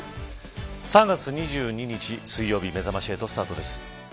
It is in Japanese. ３月２２日、水曜日めざまし８スタートです。